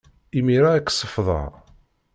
Imir-a, ad k-sefḍeɣ.